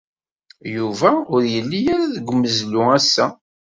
Yuba ur yelli ara deg umeẓlu ass-a.